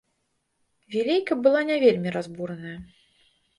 Вілейка была не вельмі разбураная.